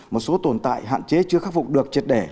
một số tồn tại hạn chế chưa khắc phục được triệt đẻ